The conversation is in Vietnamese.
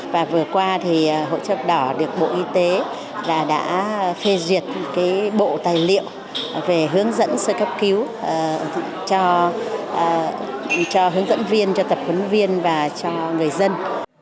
và vừa qua thì hội chữ thập đỏ được bộ y tế đã phê duyệt bộ tài liệu về hướng dẫn sơ cấp cứu cho hướng dẫn viên cho tập huấn viên và cho người dân